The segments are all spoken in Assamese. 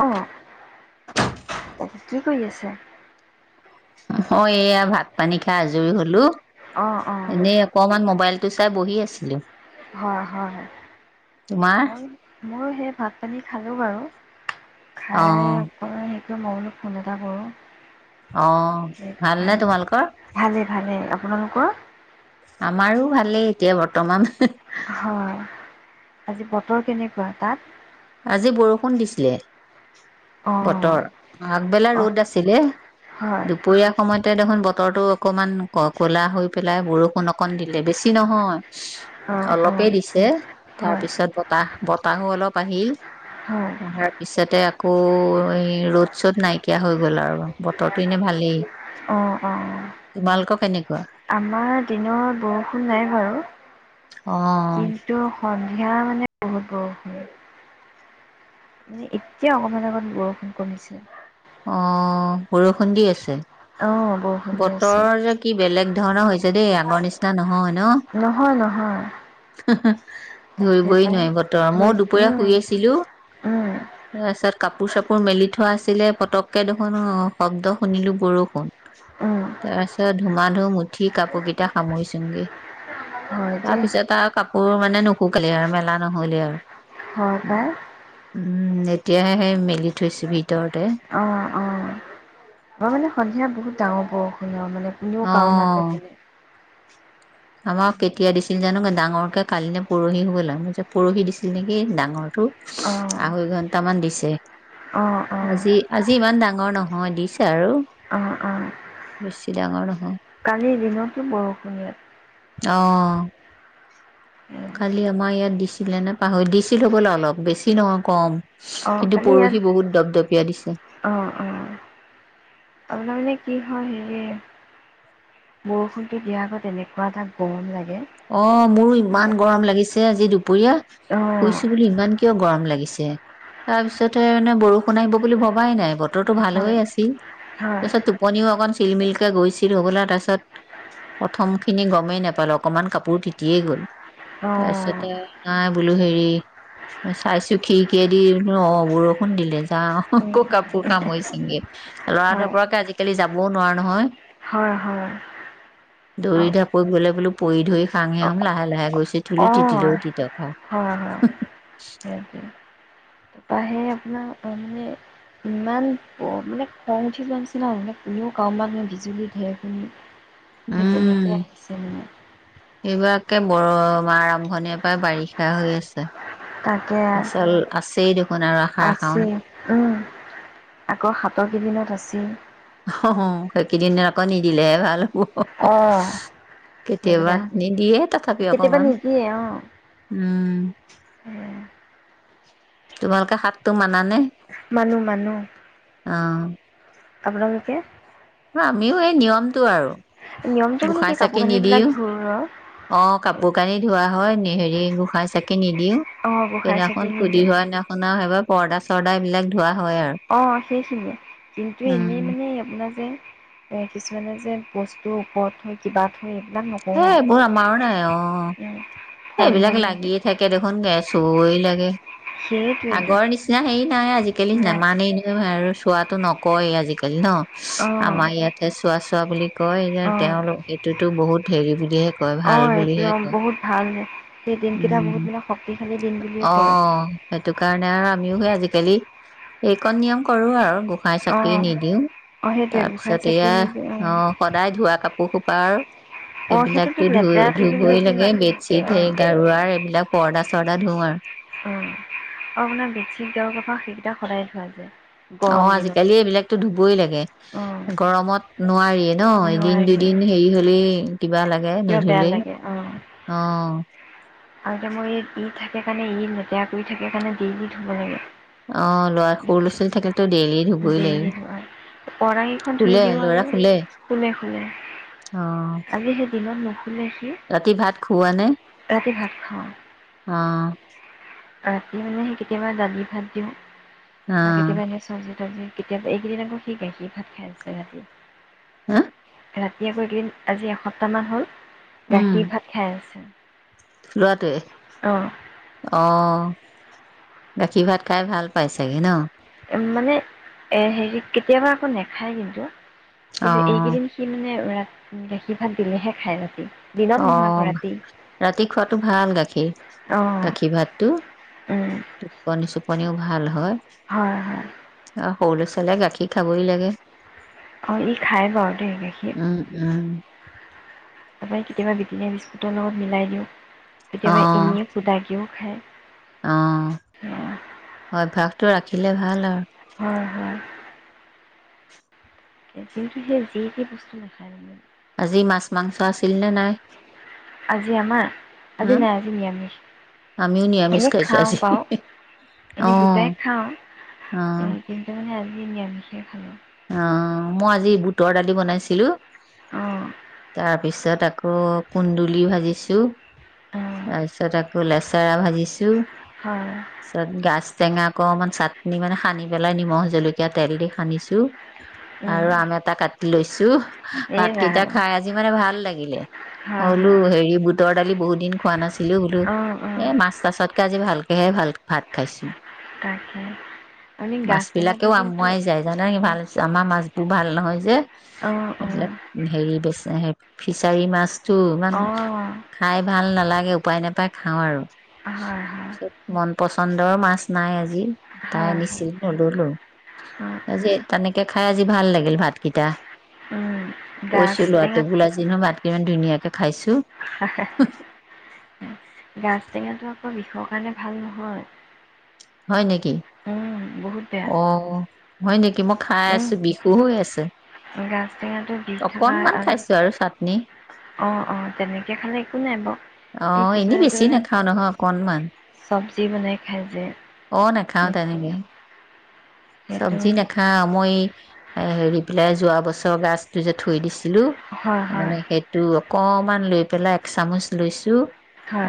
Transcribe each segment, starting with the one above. অঁ। তাকে কি কৰি আছে, মই এয়া ভাত পানী খাই আজৰি হলো। অঁ অঁ এনেই অকমান মোবাইল, টিভি চাই বহি আছিলো। হয় হয় তোমাৰ মোৰ, ময়ো সেই ভাত পানী খালো বাৰু, অ খাই অক, কি মই বোলো ফোন এটা কৰোঁ। অঁহ ভালনে তোমালোকৰ? তোমালোকৰ? আমাৰো ভালেই এতিয়া বৰ্তমান। হয় আজি বতৰ কেনেকুৱা তাত আজি বৰষুণ দিছিলে? অঁ বতৰ আগবেলা অঁ ৰ'দ আছিলে হয় দুপৰীয়া সময়তে দেখোন বতৰ। বতৰটো অকমান ক'লা হৈ পেলাই বৰষুণ অকণ দিলে বেছি নহয়? অঁ অঁ অলপেই দিছে তাৰ হয় পিছত বতাহ। বতাহো অলপ। বাঢ়ি হয় আহাৰ পিছতে আকৌ ৰ'দ চ'দ নাইকিয়া হৈ গল আৰু বতৰো এনে ভালেই অঁ অঁ। তোমালোকৰ কেনেকুৱা? আমাৰ দিনৰ বৰষুণ নাই বাৰু অ', কিন্তু স। সয়া মানে বহুত বৰষুণ? মানে এতিয়া অকমান আগত বৰষুণ কমিছিল? অ্ বৰষুণ দি আছে? অ', বৰষুণ দি আছে। বতৰ যে কি বেলেগ? ধৰণৰ হৈছে দেই আগৰ নিচিনা নহয়? নহয় নহয় তাকে ধৰিবই পাই নোৱাৰি বতৰ মই ধুই দুপৰীয়া উম, শুই আছিলো উম, তাৰপিছত? কাপোৰ চাপোৰ মেলি থোৱা আছিলে? পতককে দেখোন শব্দ শুনিলো বৰষুণ উম, তাৰপিছত ধুমা ধুম মুঠি কাপোৰ কেইটা সামৰি চুইংগে। হয় দেই তাৰপিছত অঁ কাপৰ। মানে নুশুকালে আৰু মেলা নহলে আৰু হয় পাই উম এতিয়ে সেই মেলি থৈছো ভিতৰতে। অ', অ'। মই মানে সন্ধিয়া বহুত ডাঙৰ বৰষুণ মানে। কোনেও কাৰো অ'। মাত নুশুনে? আমাক কেতিয়া দিছিল জানো ডাঙৰকে কালি নে পৰহি হব লাগে পৰহি দিছিল নেকি ডাঙৰটো অ', আঢ়ৈ ঘন্টামান দিছে অ', অ', আজি আজি ইমান ডাঙৰ নহয় দিছে আৰু বেছি ডাঙৰ নহয়? কালিৰ দিনতো বৰষুণ। অঁ কালি আমাৰ ইয়াত দিছিলে নে পাহৰি দিছিলো বোলে অলপ বেছি নহয় কম। অ', কিন্তু কালি ইয়াত পৰহি বহুত দপদপিয়া দিছে? অ', অ', আপোনাৰ মানে কি হয় হেৰি বৰষুণতটো দিয়াৰ আগত এনেকুৱা এটা গৰম লাগে। অঁ মোৰো মানে ইমান গৰম লাগিছে? আজি। কি অ', শুইছো বুলি ইমান? কিয় গৰম লাগিছে তাৰপিছতহে মানে বৰষুণ আহিব বুলি ভবাই নাই বতৰটো ভাল হৈ হয়, আছিল হয়, তাৰপিছত টোপনিও অকণ চিলমিলকে গৈছিল হবলা তাৰপিছত প্ৰথম খিনি গৰমেই নেপালো? অকমান কাপোৰ তিতিয়ে গল অ'। তাৰপিছতে নাই বোলো হেৰি চাইছো খিৰিকেদি বলো অঁ বৰষুণ দিলে যা অঁ উম, আকৌ কাপোৰ খামৰি চিঙগে লৰা হয়, ধৰ পৰাকে আজিকালি যাবও নোৱাৰা নহয়? হয় হয় দৌৰি অ', ঢাপৈ গ'লে বোলো? পৰি ধৰি অ', খাম লাহে লাহে গৈছে থুলি তিতি অ', লৈও তিত হয়, হয়, আৰু। সেইটোৱে, তাৰপৰা সেই আপোনাৰ মানে ইমান প- মানে খং উঠি যোৱা নিছিনা কোনেও কা মাত মানুহে বিজুলী ধেৰেকনি। সেই উম তেনেকেই আহিছে মই। এইবাৰকে বৰ মা আৰম্ভণিৰ পাই বাৰিষা হৈ আছে। তাকে আচল আছেই দেখোন আৰু আহাৰ শাওন। আছেই, উম, আকৌ সাত কেইদিনত আছেই। অ হ হ সেইকেইদিন আকৌ নিদিলেহে ভাল। হ হ হ অ', কেতিয়াবা সেইকেইটা যে নিদিয়ে তথাপি কেতিয়াবা অকমান নিদিয়ে অ', উম। এ, তোমালোকে হাতটো মানানে। মানুহ মানুহ অ আপোনালোকে। আমিও এই নিয়মটো আৰু নিয়মটো মানে গোসাঁই কি চাকি কাপোৰ কানি বিলাক ধৰৰ। কাপোৰকানী ধোৱা হয় নেহেৰি গোঁসাই চাকি নিদিওঁ। অ', গোঁসাই চাকি সেইদিনাখন সুধি নিদিওঁ হোৱা দিনাখন আৰু এবাৰ। পৰ্দা চৰ্দা এইবিলাক ধোৱা। হয় আৰু অ সেইখিনিয়ে কিন্তু এনেই উম মানে আপোনাৰ যে।। এ কিছুমানে যে বস্তুৰ ওপৰত থৈ কিবা। থৈ এইবিলাক নকৰোঁ আৰু। এবোৰ আমাৰ নাই অ। উম, ফল এইবিলাক মূল লাগিয়ে থাকে দেখোন কে। চুবই লাগে। সেইটোৱেইটো আগৰ নিচিনা হেৰি নাই আজিকালি নাই নেমানেই নহয় হয় আৰু। চোৱাতো নকয়েই আজিকালি ন। অ' আমাৰ ইয়াতে চোৱা। চোৱা বুলি। কয় যে অ' তেওঁলোক।। সেইটো বহুত হেৰি বুলিহে। কয় অ ভাল বুলিহে একদম কয় বহুত ভাল হয়। সেই দিনকেইটা উম বহুত মানে শক্তিশালী। দিন বুলিয়ে অ কয় সেইটো। সেইকাৰণে আৰু আমিও সেই আজিকালি এইকণ নিয়ম কৰোঁ আৰু। গোসাই চাকি অ' নিদিওঁ। অ' সেইটোৱে তাৰ গোঁসাই পিছত চাকি এয়া নিদি অ সদায় ধোৱা কাপোৰ সোপাৰ অ' সেইটোতো সেইবিলাকতো ধুই লেতেৰা থাকিবলৈ ধুবই একো লাগে নাথাকে বেডশ্বিট হে অ' গাৰুৱাৰ এইবিলাক পৰদা। পৰদা ধোঁৱও আৰু। আৰু আপোনাৰ বেতচিট গাৰুকভাৰ সেইকেইটা সদায় ধোৱা যায়। অ গৰম দিনত আজিকালি এইবিলাকতো ধুবই লাগে। অ' গৰমত নোৱাৰি। ন এদিন নোৱাৰিও দুদিন হেৰি হলেই।। কিবা লাগে কিয় বেয়া নুধুলেই। লাগে অ অ', আৰু এটা মোৰ ই ই থাকে সেকাৰণে ই লেতেৰা কৰি থাকে কাৰণে দিনটো ধুব লাগে। অ ল'ৰা সৰু ল'ৰা ছোৱালী থাকিলেতো ডেইলি। ধুবই লাগিব। পৰা কেইখন ধুই শুলে দিও ল'ৰা আৰু শুলে? খুলে খুলে অ', আজি সেই দিনত কি ৰাতি ৰাতি ভাত খুওৱা নে? ৰাতি ভাত খাও। অ ৰাতি মানে সেই কেতিয়াবা দালি ভাত দিওঁ। বা অ', কেতিয়াবা এনে চবজি। কেতিয়াবা এইকেইদিন আকৌ সি গে সি ভাত খাই আছে ৰাতি। হা? ৰাতি আকৌ এইকেইদিন আজি এসপ্তাহমান হ'ল গাখীৰ ভাত খাই আছে। লোৱাটোৱে? অ অ গাখীৰ ভাত খাই ভাল পাই চাগে ন। উ মানে এ হেৰি কেতিয়াবা আকৌ নাখায় কিন্তু। কিন্তু অ', এইকেইদিন সি মানে ৰা গাখীৰ ভাত দিলেহে খাই ৰাতি। দিনত অ নহয় আকৌ ৰাতি ৰাতি খোৱাতটো ভাল গাখীৰ অঁ গাখীৰ ভাতটো উম টোপনি চুপ পনিও ভাল হয়। হয় হয় আৰু সৰু ল'ৰা ছোৱালীয়ে গাখীৰ খাবই লাগে। অ ই খাই বাৰু দেই গাখি। উম, উম, তাৰপৰা কেতিয়াবা বৃতেনিয়াৰ বিস্কুটৰ লগত মিলাই দিওঁ। কেতিয়াবা অ', এনেে সোদাকেও খায়। অ অঁ, অভ্যাস টো ৰাখিলে ভাল আৰু। হয় হয় কিন্তু সি যে যি কি বস্তু নাখায় আৰু। আজি মাছ মাংস আছিল নে নাই আজি আমাৰ হ আজি নাই আজি নিৰামিষ আমিও নিৰামিষ এনেই খাইছো খাওঁ আজি বাৰু অহ এনেই গোটাই অহ কিন্তু মানে ই আজি নিৰামিষ এ খালোঁ। অ মই আজি বুটৰ দালি বনাইছিলো। অঁ তাৰ তাৰপিছত আকৌ কুন্দুলি ভাজিছোঁ অঁ তাৰপিছত আকৌ লেচেৰা ভাজিছোঁ। হয় চদ গাছ টেঙা অকমান চাটনি মানে সানি পেলাই নিমখ জলকীয়া তেল দি সানিছো। আৰু আম এটা কাট লৈছোঁ। এই ভাত কেইটা খাই আজি মানে ভাল লাগিলে, হয় হলো হয় হেৰি বুটৰ। দালি বহু দিন খোৱা নাছিল ছিলো বোলো অঁ অঁ এ মাছ তাছতকে আজি ভাল সেয়হে ভাল ভাত খাইছো। তাকে মাছ গাছটেঙাটো বিলাকেও কিন্তু আমুৱাই যায় জানা ভাল আমাৰ মাছবোৰ ভাল নহয় যে অঁ অঁ অঁ এইবিলাক হেৰি বেছি। ফিছাৰী মাছ। তো ইমান অঁ হয় খাই ভাল নালাগে উপায় নাপায় খাওঁ আৰু হয় তাৰপিছত মন পচন্দৰ মাছ নাই আজি তাই হয় নিছিল নললো। হয় আজি তেনেকে খাই আজি ভাল লাগিল ভাতকেইটা। অঁ গাজ কৈছো লৰাটো টেঙাত বোলা আজি নু ভাত ইমান ধুনীয়াকৈ খাইছোঁ। হা হা গাাজটেঙাটো আকৌ বিষৰ কাৰণে ভাল নহয়। হয় নেকি? উম, বহুত বেয়া অ হয় নেকি মই খাই আছো বিষু হৈ আছে। ত গাাজ টেঙাটো বিষ থকা আৰু চাটনি অ অ তেনেকে খালে একো নাই বাৰ। অ এনেই বেছি নাখাও নহয়, অকনমান চব্জি বনাই খাই যে অ নাখাও সেইটো তেনেকে। সেইটো, চবযি নেখাও মই এই এ হেৰি পেলাই যোৱা বছৰ গছটো যে থৈ দিছো। দিছিলো হয় হয় মানে সেইটো। কণমান লৈ পেলাই এক চামুচ লৈছোঁ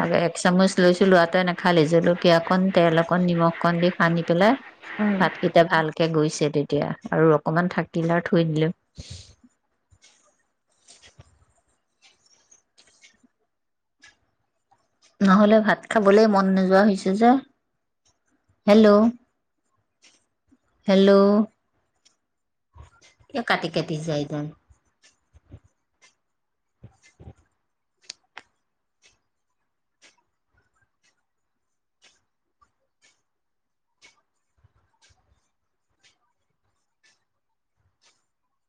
অ এক সমুচ। লৈছো লোৱাটোৱে নাখালেই, জলকীয়া অকণ তেল অকণ নিমখ কণ দি সানি পেলাই উম। ভাত এতিয়া ভালকে গৈছে তেতিয়া আৰু অকমান থাকিলে থৈ দিলো। নহ'লে ভাত খাবলে মন নোযোৱা হৈছে যে। হেল্ল' হেল্ল' এ কাটি কাটি যায় যেন। [inaudible]